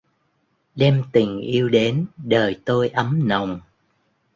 Đem tình yêu đến đời tôi ấm nồng.